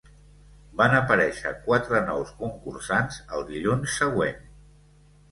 Van aparèixer quatre nous concursants el dilluns següent.